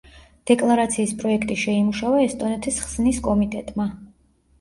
დეკლარაციის პროექტი შეიმუშავა ესტონეთის ხსნის კომიტეტმა.